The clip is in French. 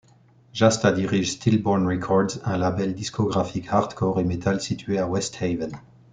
Jasta dirige Stillborn Records, un label discographique hardcore et metal situé à West Haven.